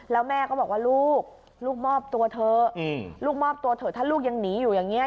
แล้วแม่ก็บอกว่าลูกลูกมอบตัวเถอะลูกมอบตัวเถอะถ้าลูกยังหนีอยู่อย่างนี้